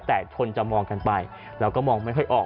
แต่ชนจะมองกันไปแล้วก็มองไม่ค่อยออก